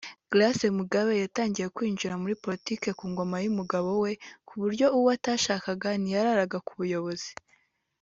Grace Mugabe yatangiye kwinjira mur politiki ku ngoma y’umugabo we kuburyo uwo atashakaga ntiyararaga ku buyobozi